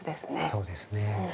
そうですね。